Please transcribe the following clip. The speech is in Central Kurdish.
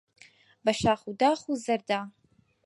بە شاخ و داخ و زەردا